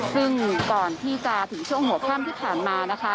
ซึ่งก่อนที่จะถึงช่วงหัวค่ำที่ผ่านมานะคะ